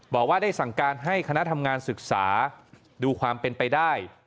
บอกว่าได้สั่งการให้คณะทำงานศึกษาดูความเป็นไปได้